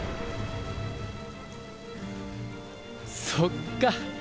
そっか。